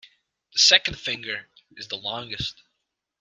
The second finger is the longest.